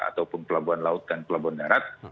ataupun pelabuhan laut dan pelabuhan darat